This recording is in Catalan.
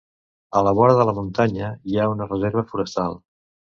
A la vora de la muntanya hi ha una reserva forestal.